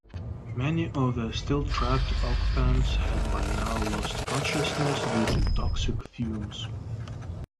Many of the still-trapped occupants had by now lost consciousness due to toxic fumes.